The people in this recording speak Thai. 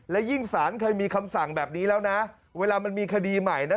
และยิ่งสารเคยมีคำสั่งแบบนี้แล้วนะเวลามันมีคดีใหม่นะ